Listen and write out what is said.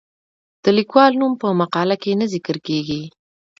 د لیکوال نوم په مقاله کې نه ذکر کیږي.